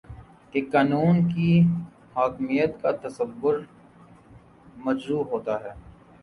کہ قانون کی حاکمیت کا تصور مجروح ہوتا ہے